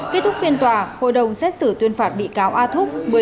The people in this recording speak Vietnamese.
kết thúc phiên tòa hội đồng xét xử tuyên phạt bị cáo a thúc